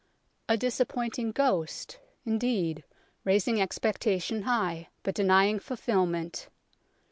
A disappointing ghost, indeed, raising expecta tion high, but denying fulfilment.